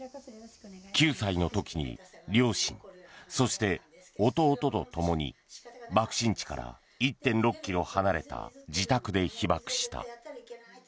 ９歳の時に両親、そして弟と共に爆心地から１．６ｋｍ離れた自宅で被爆した。